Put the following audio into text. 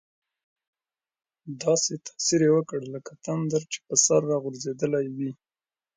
داسې تاثیر یې وکړ لکه تندر چې په سر را غورځېدلی وي.